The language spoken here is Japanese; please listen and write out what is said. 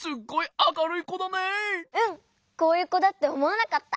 こういうこだっておもわなかった！